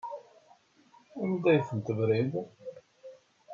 Anda ay tent-tebriḍ?